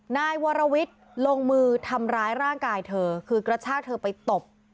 นายวรวิทย์ลงมือทำร้ายร่างกายเธอคือกระชากเธอไปตบ